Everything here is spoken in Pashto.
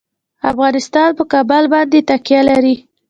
افغانستان په کابل باندې تکیه لري.